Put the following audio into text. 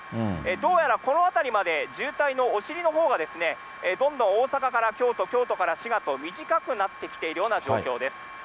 どうやらこの辺りまで渋滞のお尻のほうが、どんどん大阪から京都、京都から滋賀と、短くなってきているような状況です。